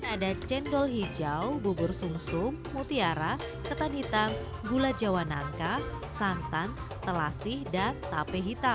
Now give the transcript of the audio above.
ada cendol hijau bubur sum sum mutiara ketan hitam gula jawa nangka santan telasi dan tape hitam